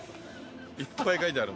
いっぱい書いてある。